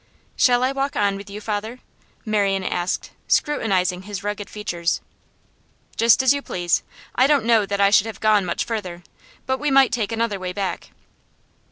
'Shall I walk on with you, father?' Marian asked, scrutinising his rugged features. 'Just as you please; I don't know that I should have gone much further. But we might take another way back.